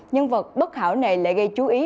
nhân vật bất hảo này lại gây chú ý